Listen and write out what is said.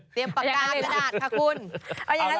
เตรียมปากกาไม่ดาดค่ะคุณ